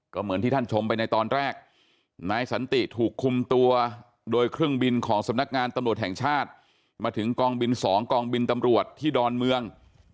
ก็เหมือนที่ท่านชมไปในตอนแรกนายสันติถูกคุมตัวโดยเครื่องบินของสำนักงานตำรวจแห่งชาติมาถึงกองบิน๒กองบินตำรวจที่ดอนเมือง